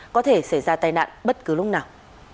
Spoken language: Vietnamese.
có thể xảy ra tai nạn bất cứ lúc nào